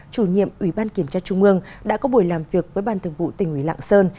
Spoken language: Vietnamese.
chủ nhiệm ủy ban kiểm tra trung mương đã có buổi làm việc với ban thường vụ tỉnh ủy lạng sơn